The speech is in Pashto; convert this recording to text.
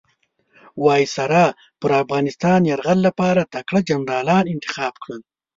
وایسرا پر افغانستان یرغل لپاره تکړه جنرالان انتخاب کړل.